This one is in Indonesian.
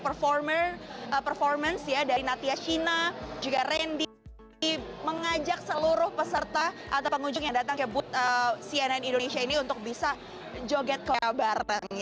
performer performance ya dari natia shina juga randy mengajak seluruh peserta atau pengunjung yang datang ke booth cnn indonesia ini untuk bisa joget korea bareng